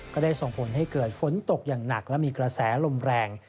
ก็ได้ส่งผลให้เกิดฝนตกอย่างหนักและมีกระแสลมแรง